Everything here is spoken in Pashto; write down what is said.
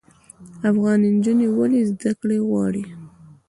افغان نجونې ولې زده کړې غواړي؟